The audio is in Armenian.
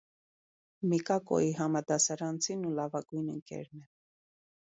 Միկակոյի համադասարանցին ու լավագույն ընկերն է։